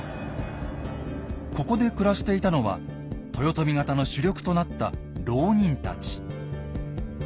ここで暮らしていたのは豊臣方の主力となった牢人たち。